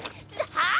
はあ！？